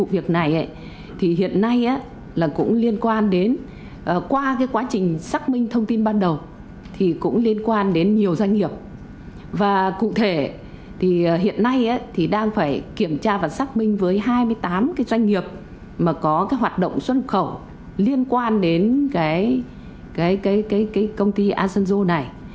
và xác minh với hai mươi tám doanh nghiệp mà có hoạt động xuân khẩu liên quan đến công ty asanjo này